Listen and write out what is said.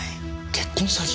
結婚詐欺！？